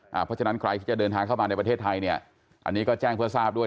เพราะฉะนั้นใครที่จะเดินทางเข้ามาในประเทศไทยเนี่ยอันนี้ก็แจ้งเพื่อทราบด้วย